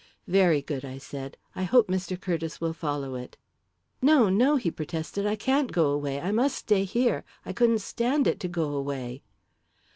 "Very good," I said. "I hope Mr. Curtiss will follow it." "No, no," he protested. "I can't go away I must stay here I couldn't stand it to go away."